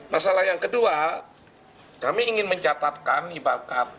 masalah yang kedua kami ingin mencatatkan ibakat